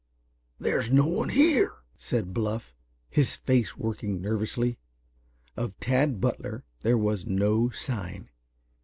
"There's no one here," said Bluff, his face working nervously. Of Tad Butler there was no sign.